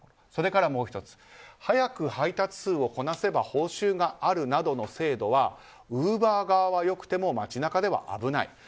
それから、もう１つ速く配達数をこなせば報酬があるなどの制度はウーバー側は良くても街中では危ない。